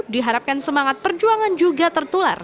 diharapkan semangat perjuangan juga tertular